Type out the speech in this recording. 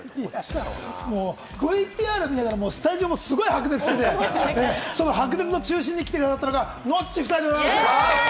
ＶＴＲ見ながらスタジオですごい白熱していて、その白熱の中心に来てもらったのがノッチ夫妻です。